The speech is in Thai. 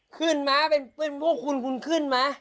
ขึ้นมั้ยเป็นพวกคุณคุณขึ้นมั้ย